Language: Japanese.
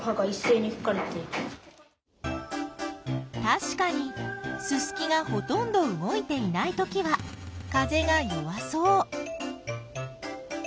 たしかにススキがほとんど動いていないときは風が弱そう。